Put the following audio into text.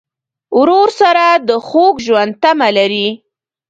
ورور سره د خوږ ژوند تمه لرې.